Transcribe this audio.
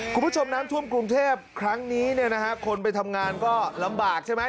คุณผู้ชมน้ำท่วมกรุงเทพครั้งนี้คนไปทำงานก็ลำบากใช่มั้ย